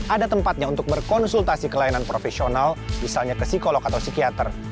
ada tempatnya untuk berkonsultasi ke layanan profesional misalnya ke psikolog atau psikiater